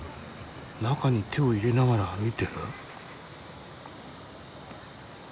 中に手を入れながら歩いてる。